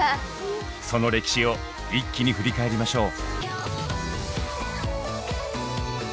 その歴史を一気に振り返りましょう。